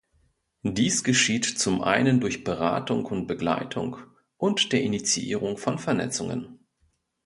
Dies geschieht zum einen durch Beratung und Begleitung und der Initiierung von Vernetzungen.